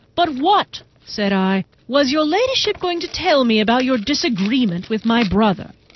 "But what," said I, "was your ladyship going to tell me about your disagreement with my brother?"